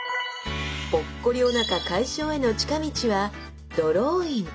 ポッコリおなか解消への近道はドローイン！